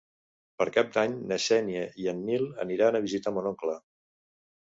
Per Cap d'Any na Xènia i en Nil aniran a visitar mon oncle.